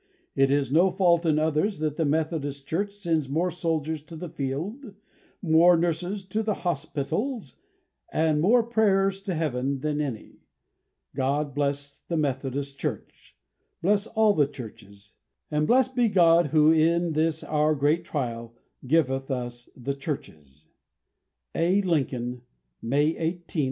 It, is no fault in others that the Methodist Church sends more soldiers to the field, more nurses to the hospitals, and more prayers to Heaven than any. God bless the Methodist Church bless all the churches and blessed be God, Who, in this our great trial, giveth us the churches. "A. LINCOLN. "May 18th, 1864."